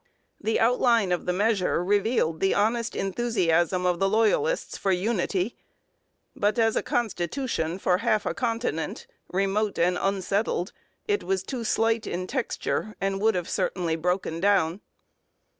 The outline of the measure revealed the honest enthusiasm of the Loyalists for unity, but as a constitution for half a continent, remote and unsettled, it was too slight in texture and would have certainly broken down.